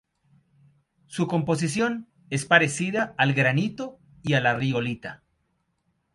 Su composición es parecida al granito y la riolita.